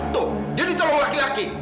tuh dia dicolong laki laki